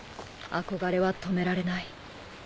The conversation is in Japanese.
憧れは止められない。